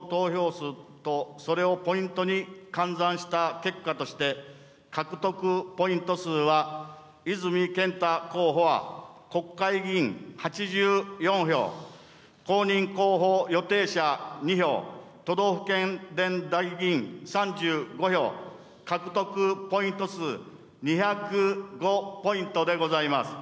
それぞれの候補者への有効投票数とそれをポイントに換算した結果として、獲得ポイント数は、泉健太候補は国会議員８４票、公認候補予定者２票、都道府県連代議員３５票、獲得ポイント数２０５ポイントでございます。